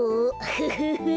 フフフ。